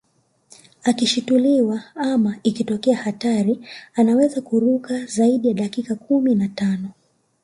Akishituliwa ama ikitokea hatari anaweza kuruka zaidi ya dakika kumi na tano